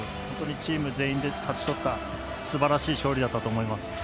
本当にチーム全員で勝ち取ったすばらしい勝利だったと思います。